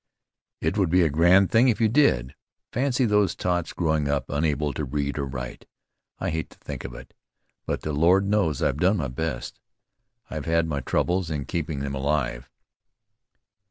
"It would be a grand thing if you did! Fancy these tots growing up unable to read or write. I hate to think of it; but the Lord knows I've done my best. I've had my troubles in keeping them alive."